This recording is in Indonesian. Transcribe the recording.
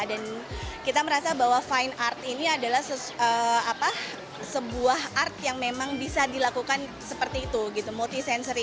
dan kita merasa bahwa fine art ini adalah sebuah art yang memang bisa dilakukan seperti itu multisensori